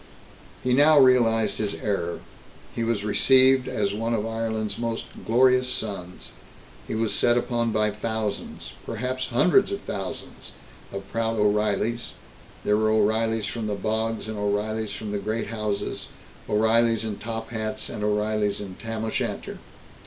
He now realized his error. He was received as one of Ireland's most glorious sons. He was set upon by thousands, perhaps hundreds of thousands, of proud O'Reillys there were O'Reillys from the bogs and O'Reillys from the great houses, O'Reillys in tophats and O'Reillys in tam o' shanter.